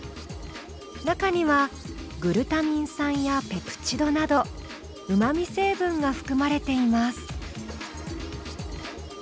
中にはグルタミン酸やペプチドなどうまみ成分が含まれています。